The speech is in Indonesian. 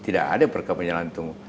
tidak ada berkampanye langsung